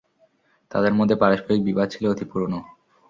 তাদের মধ্যে পারস্পরিক বিবাদ ছিল অতি পুরোনো।